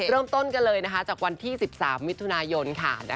เริ่มต้นกันเลยนะคะจากวันที่๑๓มิถุนายนค่ะ